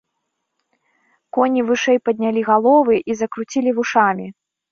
Коні вышэй паднялі галовы і закруцілі вушамі.